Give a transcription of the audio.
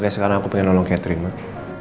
sekarang aku pengen nolong catering mak